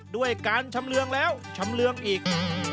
ด้วยการชำเรืองแล้วชำเรืองอีก